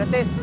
oh yaudah tes